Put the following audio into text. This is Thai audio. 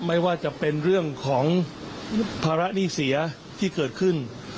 ไม่ว่าจะเป็นเรื่องของภาระหนี้เสียที่เกิดขึ้น